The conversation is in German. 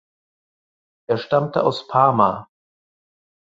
Er stammte aus Parma.